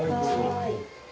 はい。